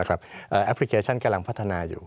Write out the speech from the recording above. แอปพลิเคชันกำลังพัฒนาอยู่